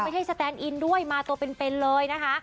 ไม่ใช่สแตนด์อินด้วยมาตัวเป็นเพลย์เลยนะคะ